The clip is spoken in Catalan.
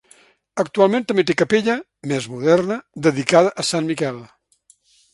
Actualment també té capella, més moderna, dedicada a sant Miquel.